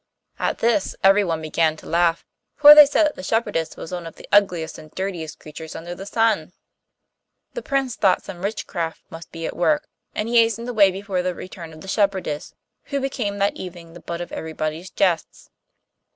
At this everyone began to laugh, for they said that the shepherdess was one of the ugliest and dirtiest creatures under the sun. The Prince thought some witchcraft must be at work, and he hastened away before the return of the shepherdess, who became that evening the butt of everybody's jests.